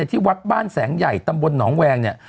ที่วัดบ้านแสงใหญ่ตำบลหนองแวงเนี่ย